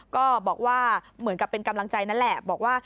ก็บอกว่าเหมือนกับเป็นกำลังใจนั่นแหละบอกว่า